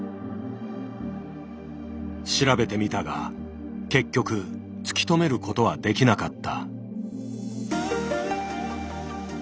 調べてみたが結局突き止めることはできなかった。